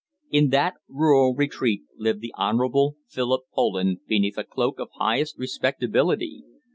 In that rural retreat lived the Honourable Philip Poland beneath a cloak of highest respectability.